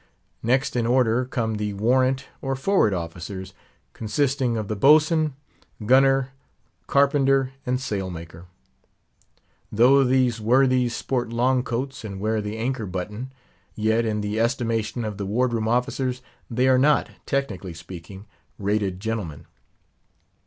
Next in order come the Warrant or Forward officers, consisting of the Boatswain, Gunner, Carpenter, and Sailmaker. Though these worthies sport long coats and wear the anchor button; yet, in the estimation of the Ward room officers, they are not, technically speaking, rated gentlemen.